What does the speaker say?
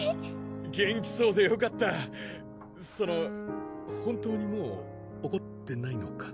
元気そうでよかったその本当にもうおこってないのか？